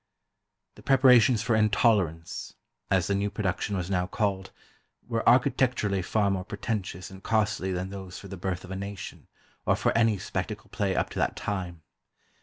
The preparations for "Intolerance," as the new production was now called, were architecturally far more pretentious and costly than those for "The Birth of a Nation," or for any spectacle play up to that time.